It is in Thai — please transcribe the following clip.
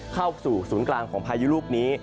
เข้าสู่ศูนย์กลางของพายุลูกนี้